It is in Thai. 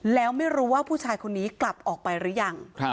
แล้วไม่รู้ว่าผู้ชายคนนี้กลับออกไปหรือยัง